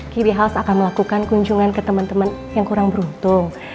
key house akan melakukan kunjungan ke teman teman yang kurang beruntung